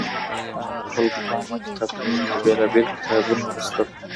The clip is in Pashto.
عامو خلګو په عامه کتابتونونو کي بېلابېل کتابونه لوستل.